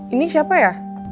ini siapa ya